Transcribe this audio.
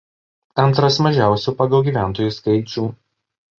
Antras mažiausių pagal gyventojų skaičių.